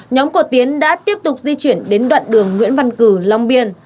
nhóm của tiến đã tiếp tục di chuyển đến đoạn đường nguyễn văn cử long biên